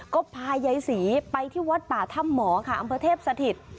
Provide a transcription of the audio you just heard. ก็พายายศรีไปที่วัดป่าถ้ำหมอค่ะอำเภอเทพสถิต